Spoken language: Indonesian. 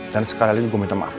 dan sekali lagi gue minta maaf